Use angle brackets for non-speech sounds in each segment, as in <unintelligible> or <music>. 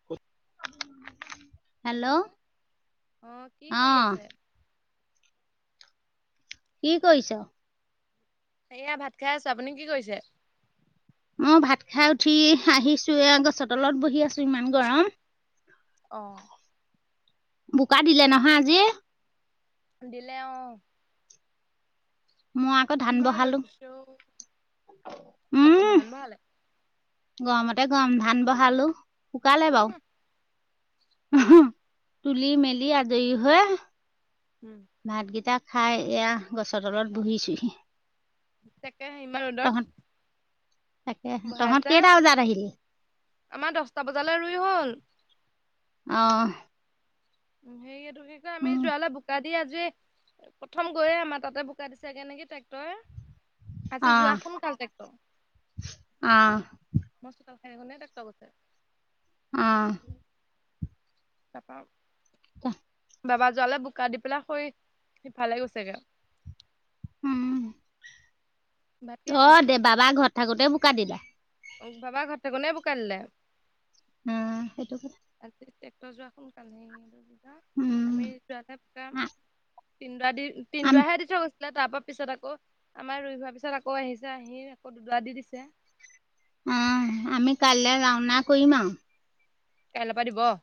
<unintelligible> Hello অঁ কি অ কৰি আছে? কি কৰিছ? এইয়া ভাত খাই আছো। আপুনি কি কৰিছে? মই ভাত খাই উঠি আহিছো এ গছৰ তলত বহি আছো ইমান গৰম। অঁ। বোকা দিলে নহয় আজি। দিলে অঁ। মই আকৌ ধান ইমান ৰ'দ বহালো, দিছে অ উম। ধান বঢ়ালে? গৰমতে গৰম ধান বহালো শুকালে বাও। তুলি মেলি আজৰি হৈ উমঁ। ভাতকেইটা খাই এয়া গছৰ তলত বহিছোঁহি। তাকে হে ইমান ৰ'দত। তাকে, তহঁত বহাইছে কেইটা বজাৰত আহিলি? আমাৰ দহটা বজালৈ ৰুই হ'ল অঁহ'। উমঁ' সেই এইটো কি কয় আমি উম যোৱালা বোকা দি আজি প্ৰথম গৈয়ে আমাৰ তাতে বোকা দিছেগে নেকি ট্ৰেক্টই। অ আজি যোৱা সোনকাল টেক্টৰ, অ মস্ত <unintelligible> টেক্টৰ গৈছে। অঁ। তাপা <inaudible> বাবা যোৱালে বোকা দি পেলাই সৌ সিফালে গৈছে গে। <inaudible> উম! ভাত কিহে খালে? অঁ দে বাবা ঘৰত থাকোতে বোকা দিলে। <unintelligible> অঁ! বাবা ঘৰত থাকোতেই বোকা দিলে? <inaudible> উম! সেইটো কথা <inaudible> আজি ট্ৰেক্টৰ যোৱা সোনকাল হ'ল কিবা উম আমি যোৱাটা পাম আ- <unintelligible> তিন‌দৰা দি আমি তিনদৰাহে‌ দি থৈ গৈছে। <inaudible> তাৰ পৰা পিছত আকৌ আমাৰ ৰুই হোৱাৰ পিছত আকৌ আহিছে আহি আকৌ দুৱা দি দিছে <unintelligible> অঁ! আমি কাইলৈ ৰাওনা কৰিম আৰু। <inaudible> কাইলৈ পৰা দিব <inaudible>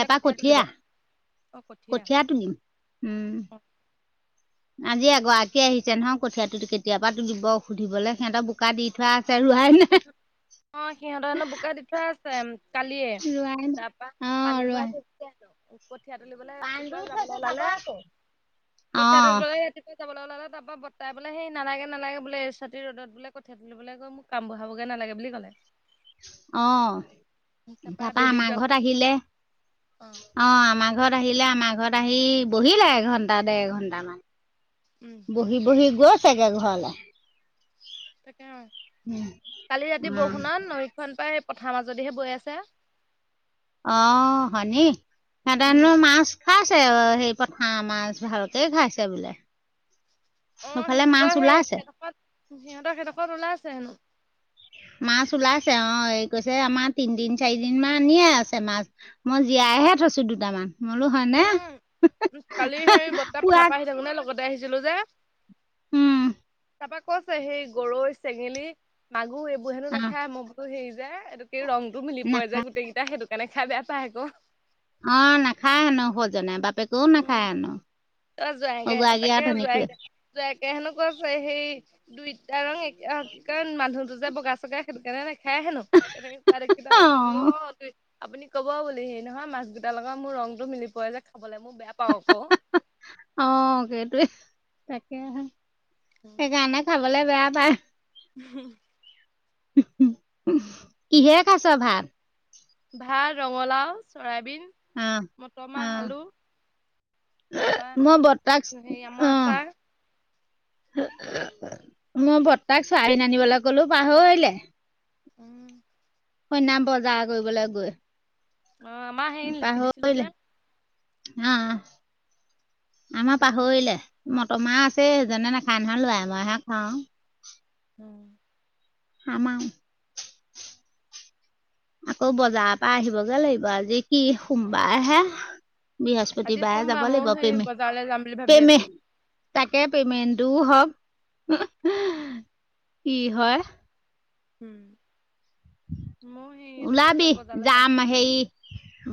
নে পৰা তুলিব কঠীয়া। কঠীয়া তুলিম উম! <unintelligible> অ আজি এগৰাকী আহিছে নহয় কঠিয়াতো <inaudible> কেতিয়াবা তুলিব সুধিবলৈ সিহঁতৰ বো <unintelligible> বোকা দি থোৱা আছে ৰুৱাই নাই। <inaudible> অঁ! সিহঁতৰনো বোকা দি থোৱা আছে কালিয়ে ৰোৱাই নাই তাৰপা অ', পানী ৰোৱাই ভৰাই থৈছে। <inaudible> এতিয়া কঠীয়া তুলিবলৈ পাণ ৰাতিপুৱা ৰুই যাবলৈ থৈছে চাব ওলালে। আকৌ। কঠীয়া অ', তুলিবলৈ <inaudible> যাবলৈ ওলালে তাৰ পৰা বৰ্তাই বোলে সেই নালাগে-নালাগে বোলে <inaudible> ছাতি ৰদত বোলে কঠীয়া তুলিবলে গৈ মোক <unintelligible> কাম বঢ়াব গে নালাগে বুলি ক'লে। <unintelligible> অঁ! তাৰপৰা তাৰপা আবেলি আমাৰ যোৱা কথা ঘৰত আহিলে। <inaudible> অ অঁ, আমাৰ ঘৰত আহিলে, আমাৰ ঘৰত আহি বহিলে এঘণ্টা, দেৰ ঘন্টা মান। <inaudible> উম <unintelligible> বহি-বহি গৈছে গে ঘৰলৈ। <inaudible> তাকে অ <inaudible> কালি ৰাতি উম, বৰষুণত নৈখন পৰা সেই পথাৰ মাজদিহে বৈ আছে। <unintelligible> অঁ! হনী উম। সিহঁতেনো মাছ <inaudible> খাইছে সেই পথাৰ মাছ ভালকে খাইছে বোলে। <inaudible> অঁ! সেইফালে মাছ সিহঁতৰ সেই ওলাইছে। দসত সিহঁতৰ সেই দসত‌ ওলাই আছে হেনো। <inaudible> মাছ ওলাইছে অঁ এই কৈছে আমাৰ তিনদিন, চাৰিদিন মান আনিয়ে আছে মাছ। <inaudible> মই জীয়াইহে থৈছো দুটামান মোলো হয়নে উম <inaudible> জমুনা লগত <unintelligible> <inaudible> ছিলো যে। উম! <unintelligible> তাৰপা কৈছে সেই গৰৈ, চেঙেলী, মাগুৰ এইবোৰ <inaudible> <inaudible> হেনো অ', নাখায় মুখবোৰ হেৰি যে এইটো কি ৰংটো মিলি পৰে যে নাখায় গোটেইকেইটা সেইটো কাৰণে খাই বেয়া পায় আকৌ। <inaudible> অঁ! নাখায় হেনো সৌজাই বাপেকেও নাখায় হেনো। <unintelligible> <inaudible> জোৱাইয়েকে‌ অগৰাকী তাকে আৰু ধনীকোৱে জোৱাইকে হেনু‌ কৈছে সেই <unintelligible> দুইটা ৰং এক কি কাৰণ মানুহতো যে বগা-চগা সেইটো কাৰণে ন <inaudible> <inaudible> হেনো তেনেকে কোৱা দেখি মই বোলো অ <unintelligible> আপুনি কব বুলি সি নহয় মাছ গোটাৰ লগত মোৰ ৰংটো মিলি পৰে যে খাবলে মই বেয়া পাওঁ আকৌ। <inaudible> <inaudible> অঁ! সেইটোৱেই তাকে সেই কাৰনে <unintelligible> খাবলৈ বেয়া পায়। <unintelligible> হম <inaudible> <inaudible> কিহে খাইছ ভাত? ভাত ৰঙালাও, চয়াবিন। অ', <inaudible> মটৰ মাহ, অ', আলু তাৰ পৰা মই বৰ্তাক হেৰি আমৰ অ', আচাৰ। <inaudible> <inaudible> মই বৰ্তাক চয়াবিন আনিবলৈ কলো পাহৰিলে। উম <unintelligible> সৈনা বজাৰ কৰিবলৈ গৈ আমাৰ সেই লিখি দিছিলো যে পাহৰিলে আ আমাৰ সেইটো কাৰণে পাহৰিলে মটৰ মাহ আছে এজনে নাখায় নহয় লৰা মায়হে খাওঁ উম আমা আকৌ বজাৰৰ পৰা আহিবগে লাগিব আজি কি সোমবাৰ হে বৃহস্পতি আজি বাৰে সোমবাৰ যাব ময়ো লাগিব সেই পেমেহ বজাৰলৈ যাম বুলি ভাবি আছো পেমেহ তাকে পেমেণ্টটোও হক হো হো হো কি হয় উম ময়ো সেই এইটো কি ওলাবি কয় বজাৰলৈ যাম যামি হেৰি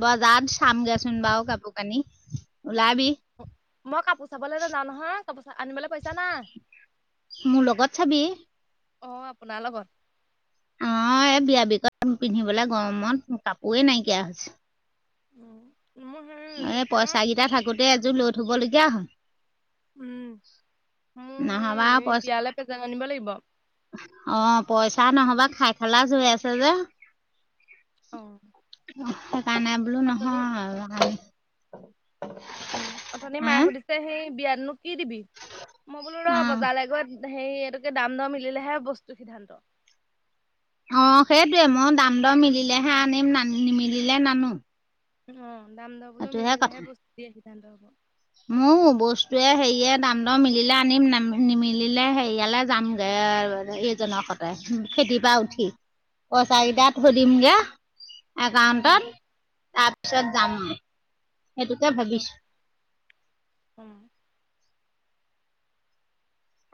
বজাৰত চামগেচোন বাৰু কাপোৰ কানি ওলাবি মই কাপোৰ চাবলৈ নাযাওঁ নহয় কাপোৰ আনিবলৈ পইছা নাই মোৰ লগত চাবি অ আপোনাৰ লগত অ এই বিয়া বিকত পিন্ধিবলৈ গৰমত কাপোৰে নাইকিয়া হৈছে মোৰ হেৰি এইজো কি কয় গোদে এযোৰ লৈ থবলগীয়া হয় উম মোৰ নহ'বা হেই এই বিয়ালে প্ৰেজেণ্ট আনিব লাগিব অ পইচা নহবা খাই খেলাজ হৈ আছে যে অ সেই কাৰণে বোলো অথনি নহয় হেৰি উ অথনি মায়ে সুধিছে সেই বিয়াতনো কি দিবি মই বোলো ৰ অঁ বজাৰলৈ গৈ হেৰি এইটোকি দাম দৰ মিলেহে বস্তু সিদ্ধান্ত অ সেইটোৱে মই দাম দৰ মিলেহে আনিম নান নিমিলে নানো অ দাম দৰবোৰ সেইটোহে কথা মিলিলেহে বস্তু দিয়াৰ সিদ্ধান্ত হ'ব মোৰ বস্তুৱয়ে হেৰিয়ে দাম দৰ মিলে আনিম নিমিলিলে সেৰিয়ালে যামগে এ এইজনৰ সতে খেতি বা উঠি পইচা উম কেইটাত থৈদিমগে উম একাউন্টত তাৰপিছত যাম সেইটোকে ভাবিছো সম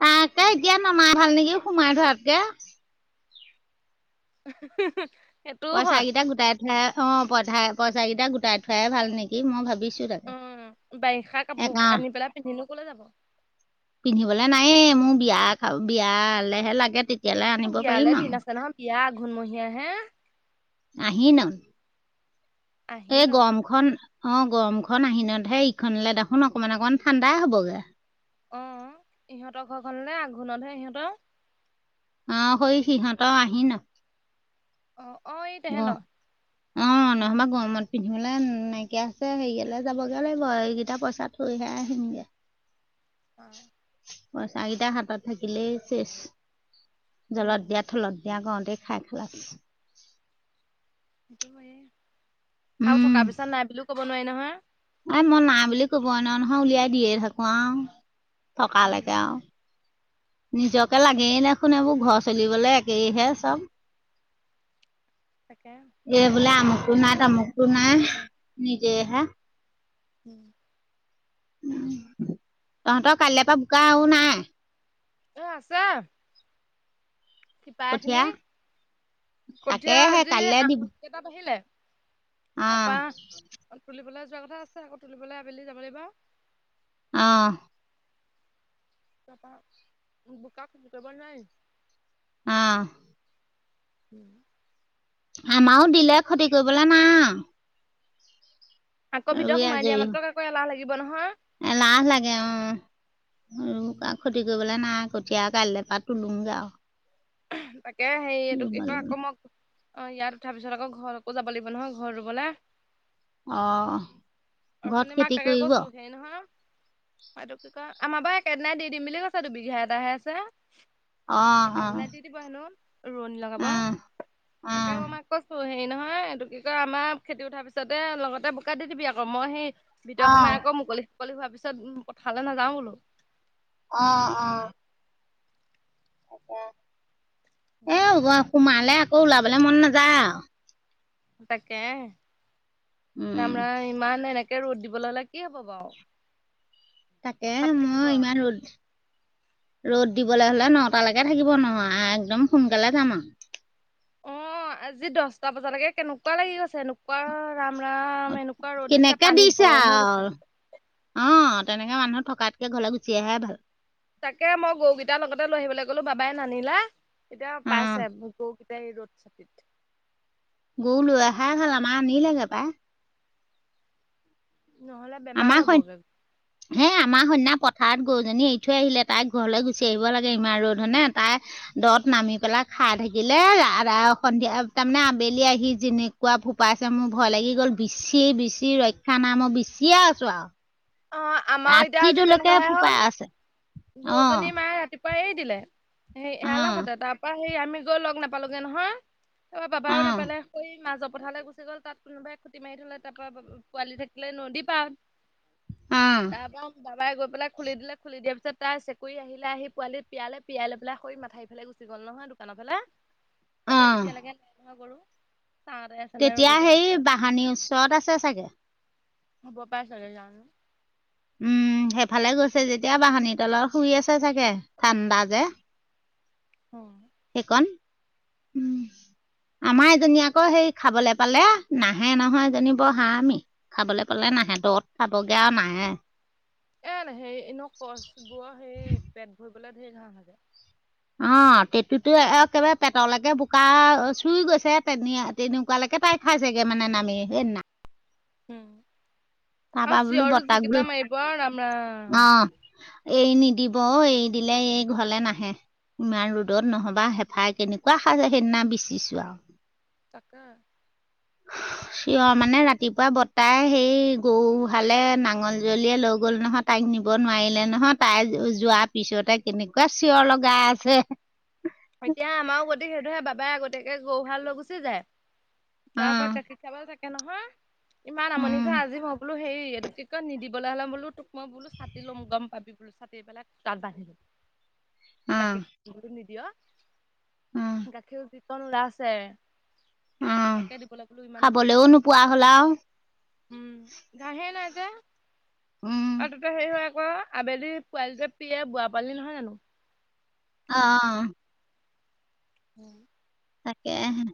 তাকে এতিয়া নমাই ভাল নেকি সোমাই ধৰাতকে উ হো হো পইচা কেইটা গোটাই থোৱ অ পইচা পইচা কেইটা গোটাই থোৱাইে ভাল নেকি মই ভাবিছো তাকে উম বাৰিষা কাপোৰ একাউণ্ট আনি পেলাই পিন্ধিনো কলে যাব পিন্ধিবলৈ নায়ে মোৰ বিয়া খাব বিয়ালেহে লাগে তে বিয়ালে দিন আছে নহয় বিয়া আঘোণমহীয়া হে আহিনত এই আহিনত গৰমখন অ গৰমখন আহিনতহে ইখনলৈ দেখোন অকমান অকমান ঠাণ্ডাই হবগে অ ইহঁতৰ ঘৰখনলে আঘোণতহে সিহঁতৰ অ সৈ সিহঁত আহিনত অ অ এইত গ অ নহ'বা গমত পিন্ধিবলৈ নাইকিয়া আছে হেৰিয়ালৈ যাবগৈ লাগিব এইকেইটা পইচা থৈহে আসিমগে পইচা কেইটা হাতত থাকিলেই চেচ জলত দিয়া, থলত দিয়া কওঁতে, খাই <unintelligible> সেইটোৱে! আৰু থকা পিছত, নাই বুলিও ক'ব নোৱাৰি নহয়। এ, মই নাই বুলি ক'বই নোৱাৰোঁ নহয়, উলিয়াই দিয়ে থাকোঁ আৰু উম থকালৈকে আৰু। নিজকে লাগেই দেখোন, এইবোৰ ঘৰ চলিবলৈ একেইহে চব। তাকে। এই বোলে, অমুকটো নাই, তামুকোটো নাই, নিজেইহে। <inaudible> উম, তহঁতৰ কাইলৈৰ পৰা বোকা আৰু নাই। এ, আছে। শিপা এখিনি, কঠীয়া কঠিয়া তাকেহে আজি, কাইলৈ আ দিব কেইটাত আহিলে? অ তাৰপা, তুলিবলৈ যোৱা কথা আছে, আকৌ তুলিবলৈ আবেলি যাব লাগিব। অ'! তাৰপা, বোকাত যাব নোৱাৰি। অ'! উম। আমাৰো দিলে, ক্ষতি কৰিবলে নাই। আকৌ, আৰু, ভিতৰত ৰুই সোমাই আজৰি দিয়া, হৈ। মাত্ৰ আকৌ, এলাহ লাগিব নহয়। এলাহ লাগে অ'! আৰু ক্ষতি কৰিবলৈ নাই, কঠিয়া আৰু কাইলে পৰা তোলোঁগৈ আৰু। তাকে, সেৰি এইটো ৰুব কি কয়! আকৌ লাগিব মই অ'! ইয়াত উঠাৰ পিছত, আকৌ, ঘৰ আকৌ, যাব লাগিব নহয়, ঘৰত ৰোবলে। অ'! ঘৰত খেতি কৰিব? সেৰি নহয়, এইটো কি কয়, আমাৰ পৰা একেদিনাই দি দিম বুলি কৈছে, দুবিঘা এটাহে আছে। অ অ একেদিনাই দি দিব হেনোঁ, ৰোৱনী লগাব। অ তাকে, অ', মই মাক কৈছোঁ, সে সেই নহয়, এইটো কি কয়, আমাৰ খেতি উঠাৰ পিছতে, লগতে বোকা দি দিবি আকৌ। মই সেই, ভিতৰত সোমাই অ', আকৌ, মুকলি-চুকলি হোৱাৰ পিছত, পথাৰলৈ নাযাওঁ বোলোঁ। অ'! অ'! অ'! এ, সোমালে আকৌ, ওলাবলে মন নাযায় আৰু। তাকে, উম। ৰাম-ৰাম! ইমান এনেকে, ৰ'দ দিবলৈ হ'লে কি হ'ব বাৰু? তাকে, পথাৰত থাকিব মই আৰু ইমান ৰ'দ ৰ'দ দিবলৈ হ'লে, নটালৈকে থাকিব নোৱাৰ, একদম সোনকালে যাম আৰু। অ'! আজি দহটা বজালৈকে কেনেকুৱা লাগি গৈছে! এনেকুৱা, ৰাম-ৰাম! আৰু। এনেকুৱা ৰ'দ দিছে, কেনেকে পানীত গৰম হৈ গৈছে। আৰু, অ'! তেনেকে মানুহ থকাতকে, ঘৰলৈ গুচি অহাই ভাল। তাকে, মই গৰুকেইটা লগতে লৈ আহিবলৈ ক'লো, বাবাই নানিলে। এতিয়া অ', পাইছে, গৰু এই, ৰ'দ চাতিত গৰু লৈ অহাই ভাল, আমাৰ আনিলেগে পাই। নহ'লে বেমাৰ হ'বগে। সেই, আমাৰ সেইদিনা, পথাৰত গৰুজনী এৰি থৈ আহিলে। তাই ঘৰলৈ গুচি আহিব লাগে, ইমান ৰ'দ হয়নে! তাই, দ'ত নামি পেলা খাই থাকিলে, <unintelligible> সন্ধিয়া, তাৰমানে আবেলি আহি, যেনে যেনেকুৱা ফোপাইছে, মোৰ ভয় লাগি গ'ল! বিচি- বিচি ৰক্ষা নাই, মই বিচিয়ে আছোঁ আৰু। অ'! আমাৰো এতিয়া, আজি ৰাতিটোলৈকে তেনেকুৱাহে ফোপাই হ'ল, আছে অঁ গৰুজনী মায়ে, ৰাতি পুৱাই এৰি দিলে। সেই, অঁ এৰালহঁতে, তাৰ পৰা সেই, আমি গৈ লগ নাপালোগে নহয়। তাৰ বাবাও অঁ নাপালে মাজৰ পথাতলৈ গুচি গ'ল। তাত কোনোবাই খুটি মাৰি থলে তাৰ পৰা পোৱালি থাকিলে। নদী পা অঁ তাৰপা গৈ পেলাই খুলি দিলে। খুলি দিয়া পিছত তাই চেকুৰি আহিলে আহি পোৱালী পিয়ালে। পিয়াই পেলায় সেই মথাউৰি ফালে গুচি গল নহয় দোকানৰ ফালে, তাৰপৰা অঁ এতিয়ালৈকে নাই নহয় গৰু চাওঁতে তেতিয়া সেই বাহানিৰ ওচৰত আছে চাগে। হব পাৰে চাগে জানো। উম, সেইফালে গৈছে যেতিয়া বাহনী তলত শুই আছে চাগে ঠাণ্ডা যে। <inaudible> সেইকন উম। আমাৰ এজনী আকৌ হেই খাবলৈ পালে নাহে নহয় এজনী বৰ হাৰামি। খাবলৈ পালে নাহে অ'ত খাবগে আৰু নাহে। এ হেৰী এনেও কছবোৰৰ সেই পেট ভৰিবলৈ ধেৰ ঘাঁহ লাগে। অ', টঁতুতো একেবাৰে পেটলৈকে বোকা চুই গৈছে তেনি তেনেকুৱালৈকে তাই খাই চগে মানে নামি সেই নাম উম, তাৰপৰা আৰু বোলো চিঞৰও যি বৰ্তাক বোলো কেইটা মাৰিব আৰু ৰাম ৰাম। অঁ এৰি নিদিব অ', এৰি দিলে এই ঘৰলে নাহে। ইমান ৰ'দত নহবা হেফাই কেনেকুৱা খাই সেইদিনা বিচিছো আৰু। তাকে। চিঞৰ মানে ৰাতিপুৱা বৰতাই সেই গৰু হালে নাঙল জুৱলিয়ে লৈ গ'ল নহয়। তাইক নিব নোৱাৰিলে নহয় তাই যোৱাৰ পিছতে কেনেকুৱা চিঞৰ লগাই আছে। এতিয়া আমাৰো গতিক সেইটোহে বাবাই আগতীয়া কৈ গৰুহাল লৈ গুচি যায়। তাৰ পৰা অঁ গাখীৰ খীৰাবলৈ থাকে নহয়। ইমান আমনি কৰে আজি মই বোলো হেৰি এইটো তই নিদিবলৈ হ'লে বোলো তোক মই বোলো চাতি লোম গম পাবি বোলো চাতি পেলাক তাত ভাগিম। অঁ গাখীৰ নিদিয়। উম,। গাখীৰ যিকন ওলাছে তাকে দিবলৈ ব'লো ইমান উৎপাত। পোৱা হ'লাও। উম, ঘাঁহে নাই যে, আৰু দুটা হেৰি হয় আকৌ। আবেলি পোৱালিতে প্ৰিয়ে বুঢ়া পালি নহয় জানো? অ'। উম,। তাকে হে।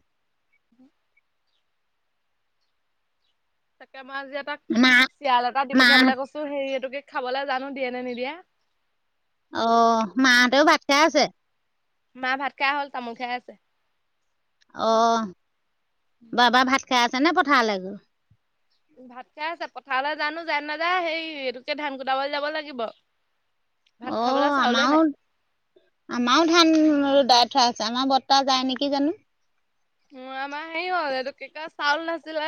<unintelligible> তাকে মাই আজি এপাক মা চিয়াল এটা দি মাহঁত পঠিয়াবলৈ কৈছো হেৰি এইটোকে খাবলৈ জানো দিয়ে নে নিদিয়ে। অ', মাহঁতেও ভাত খাই আছে? মাহ ভাত খাই হ'ল তামোল খাই আছে। অ', বাবা ভাত খাই আছে নে পথাৰলৈ গ'ল? উ, ভাত খাই আছে পথাৰলৈ জানো যায় নাযায়? সেই এইটোকে ধান কুটাবলৈ যাব লাগিব। ভাত খাবলৈ অঁ চাউলে আমাৰো নাই। আমাৰো ধান দায় থোৱা আছে আমাৰ বৰ্তাহ যায় নেকি জানো। আমাৰ হেৰি হ'ল এইটো কি কই চাউল নাছিলে।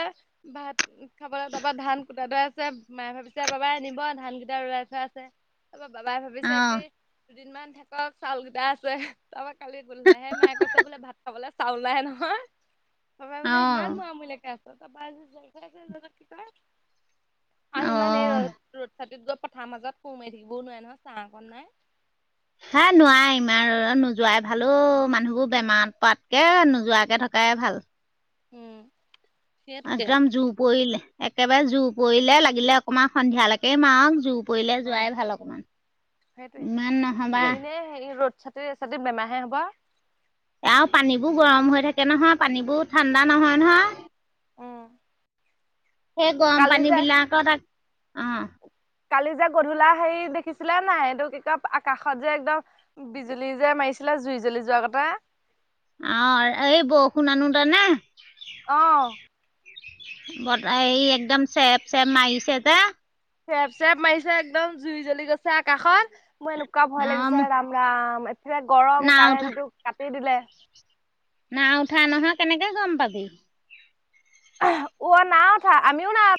ভাত খাবলৈ তাৰপা ধান কুটা দৰে আছে মায়ে ভাবিছে বাবাই আনব ধান কেইটা লাই থৈ আছে। তাৰপৰা বাবাই ভাবিছে অঁ কি দুদিনমান থাকক, চাউল কেইটা আছে। তাৰপা কালি গললাই হে মায়ে কৈছে বোলে ভাত খাবলৈ চাউল নাহে নহয়। পাপাই বোলে অঁ ইমান মৰামূলাকে আছ তাৰপা কি কয় <unintelligible> আৰু ইমান এই অঁ ৰ-ৰ'দ চাটিত গৈ পথাৰ মাজত কুত মাৰি থাকিবও নোৱাৰে নহয়, ছা অকন নাই। হে নোৱা ইমান ৰ'দত নোযোৱাই ভাল অ' মানুহবোৰ বেমাৰত পৰাতকে নোযোৱাকে থকাই ভাল। উম সেইটোকে একদম জুৰ পৰিলে, একেবাৰে জু পৰিলে, লাগিলে অকমান সন্ধিয়ালৈকে মাৰক জু পৰিলে অ যোৱাই ভাল অকণমান। সেইটোৱে ইমান নহ'বা এনেই হেৰি ৰ'দ চাতি, চাতি বেমাৰহে হ'ব। আৰু পানীবোৰ গৰম হৈ থাকে নহয়, পানীবোৰ ঠাণ্ডা নহয় নহয়। সেই গৰম কালি যে পানীবিলাকত আ, অ'। কালি যে গধূলা হেৰি দেখিছিলে নাই এইটো কি কয় আকাশত যে একদম বিজুলী যে মাৰিছিলা, জুই জ্বলি যোৱা কথা। অ' এই বৰষুণ আনো তানে? অ'। বতা এই একদম চেপ চেপ কে মাৰিছে যে। চেপ চেপ মাৰিছে একদম জুই জ্বলি গৈছে আকাশত, মোৰ এনেকুৱা ভয় অ' লাগিছে ৰাম ৰাম, এইফালে গৰম, নাও উঠা কাৰেণ্টটো কাটি দিলে। নাই উঠা নহয়, কেনেকে গম পাবি। অ' নাই উঠা, আমিও নাই